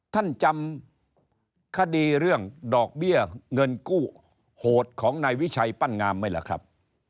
ท่านจำคดีเรื่องดอกเบี้ยเงินกู้โหดของนายวิชัยปั้นงามไหมล่ะครับ